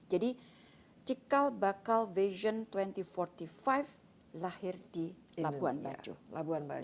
jadi cikal bakal vision dua ribu empat puluh lima lahir di labuan bajo